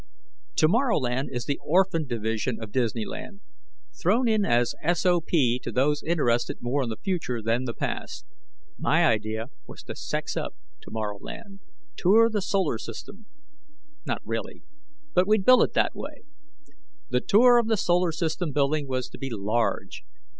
Tomorrowland is the orphan division of Disneyland, thrown in as sop to those interested more in the future than the past. My idea was to sex up Tomorrowland: Tour the Solar System. Not really, but we'd bill it that way. The Tour of the Solar System Building was to be large.